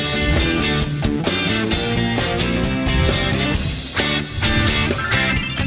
สักครู่ค่ะ